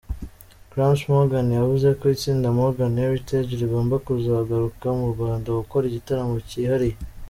Gramps Morgan yavuze ko ‘itsinda Morgan Heritage rigomba kuzagaruka mu Rwanda gukora igitaramo cyihariye’.